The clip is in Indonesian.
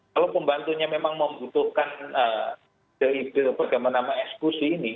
kalau pembantunya memang membutuhkan beri beri bagaimana ekskusi ini